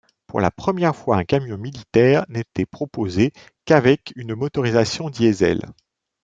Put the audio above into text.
Pour la première fois, un camion militaire n'était proposé qu'avec une motorisation diesel.